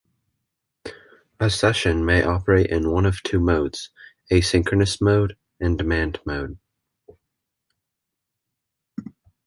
A session may operate in one of two modes: "asynchronous mode" and "demand mode".